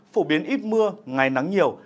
phổ biến ít mưa ngày nắng nhiều